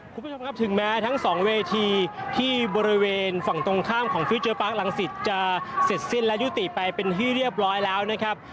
คุณผู้ชมครับถึงแม้ทั้งสองเวทีที่บริเวณฝั่งตรงข้ามของฟิวเจอร์ปาร์คลังศิษย์จะเสร็จสิ้นและยุติไปเป็นที่เรียบร้อยแล้วนะครับ